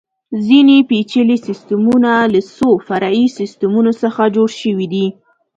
ځینې پېچلي سیسټمونه له څو فرعي سیسټمونو څخه جوړ شوي دي.